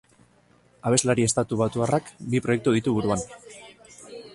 Abeslari estatu batuarrak bi proiektu ditu buruan.